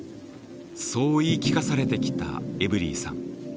そう言い聞かされてきたエブリィさん。